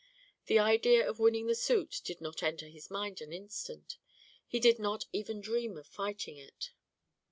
The idea of winning the suit did not enter his mind an instant; he did not even dream of fighting it.